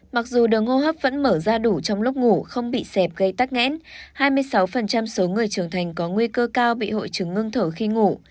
mặc dù đường hô hấp vẫn mở ra đủ trong lúc ngủ không bị dẹp gây tắc nghẽn hai mươi sáu số người trưởng thành có nguy cơ cao bị hội chứng ngưng thở khi ngủ